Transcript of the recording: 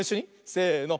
せの！